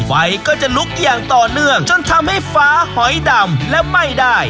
ไฟก็จะลุกอย่างต่อเนื่องจนทำให้ฟ้าหอยดำและไหม้ได้